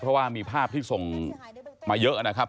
เพราะว่ามีภาพที่ส่งมาเยอะนะครับ